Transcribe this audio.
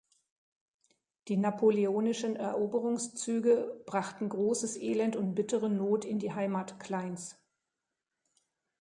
Die napoleonischen Eroberungszüge brachten großes Elend und bittere Not in die Heimat Kleins.